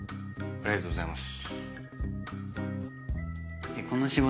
ありがとうございます。